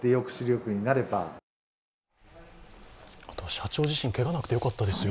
社長自身、けががなくてよかったですよ。